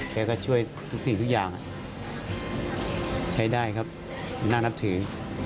แกก็ช่วยทุกสิ่งทุกอย่างใช้ได้ครับน่านับถือ